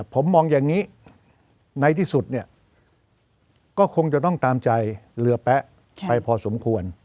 ผมมองอย่างนี้ในที่สุดเนี่ยก็คงจะต้องตามใจเรือแป๊ะไปพอสมควร